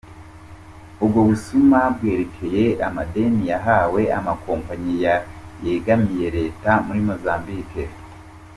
Ubwo busuma bwerekeye amadeni yahawe amakompanyi yegamiye reta muri Mozambique.